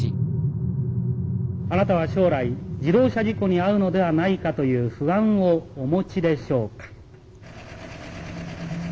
あなたは将来自動車事故に遭うのではないかという不安をお持ちでしょうか。